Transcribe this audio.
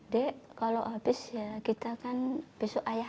dek kalau habis ya kita kan besok ayah